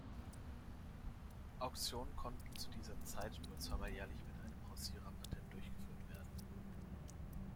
Auktionen konnten zu dieser Zeit nur zweimal jährlich mit einem Hausierer-Patent durchgeführt werden.